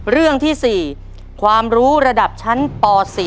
เรื่องที่๔ความรู้ระดับชั้นป๔